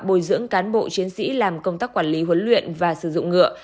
bồi dưỡng cán bộ chiến sĩ làm công tác quản lý huấn luyện và sử dụng ngựa